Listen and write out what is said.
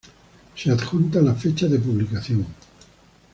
Se adjunta la fecha de publicación.